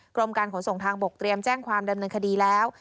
กรมการขนส่งทางบกเตรียมแจ้งความดำเนินคดีแล้ว